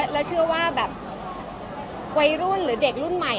แล้วเชื่อว่าแบบวัยรุ่นหรือเด็กรุ่นใหม่